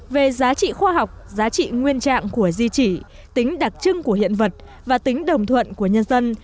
về giá trị khoa học giá trị nguyên trạng của di chỉ tính đặc trưng của hiện vật và tính đồng thuận của nhân dân